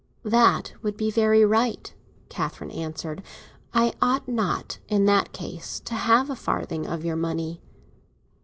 "That would be very right," Catherine answered. "I ought not in that case to have a farthing of your money."